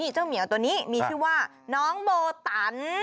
เหมียวตัวนี้มีชื่อว่าน้องโบตัน